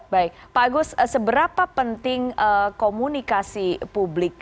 baik pak agus seberapa penting komunikasi publik